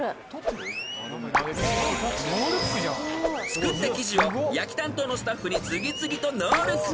［作った生地を焼き担当のスタッフに次々とノールックパス］